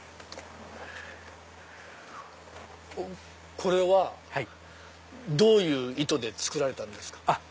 これはどういう意図で造られたんですか？